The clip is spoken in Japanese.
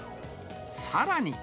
さらに。